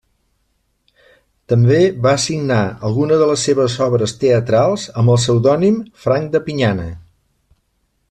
També va signar algunes de les seves obres teatrals amb el pseudònim Franc de Pinyana.